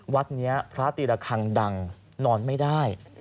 วัดนี้พระตีระคังดังนอนไม่ได้